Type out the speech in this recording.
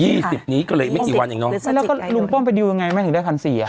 ยี่สิบนี้ก็เลยไม่อีกวันอีกน้องแล้วก็ลุงป้อมไปดิวยังไงไม่ถึงได้พันสี่อ่ะ